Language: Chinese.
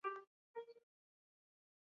一直对铁路有兴趣。